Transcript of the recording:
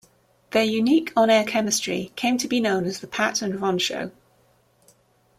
Their unique on-air chemistry came to be known as the "Pat and Ron Show".